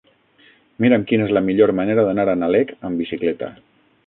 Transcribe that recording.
Mira'm quina és la millor manera d'anar a Nalec amb bicicleta.